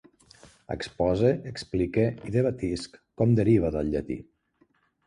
Expose, explique i debatisc com deriva del llatí.